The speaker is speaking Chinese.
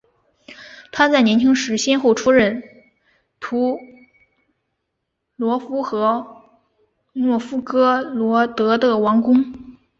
他在年轻时先后出任图罗夫和诺夫哥罗德的王公。